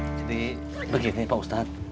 jadi begini pak ustadz